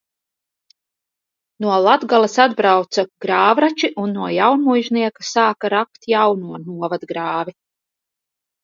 No Latgales atbrauca grāvrači un no Jaunmuižnieka sāka rakt jauno novadgrāvi.